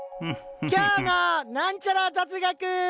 今日のなんちゃら雑学。